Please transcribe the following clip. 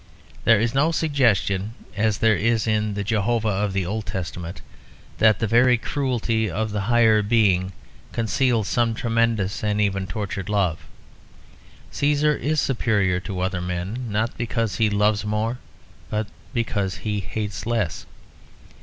There is no suggestion, as there is in the Jehovah of the Old Testament, that the very cruelty of the higher being conceals some tremendous and even tortured love. Cæsar is superior to other men not because he loves more, but because he hates less.